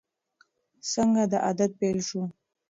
څنګه دا عادت پیل شو؟